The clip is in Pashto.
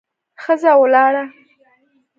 ښځه ولاړه.